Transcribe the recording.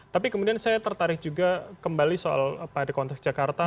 tapi kemudian saya tertarik juga kembali soal pada konteks jakarta